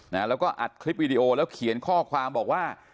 แล้วก็อัดคลิปวิดีโอแล้วเขียนข้อความบอกว่า